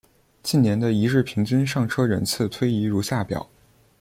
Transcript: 近年的一日平均上车人次推移如下表。